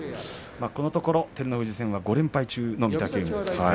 このところ照ノ富士戦は５連敗中の御嶽海です。